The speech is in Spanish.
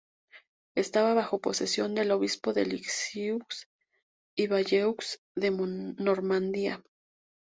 Estaba bajo posesión del obispo de Lisieux y Bayeux de normandia.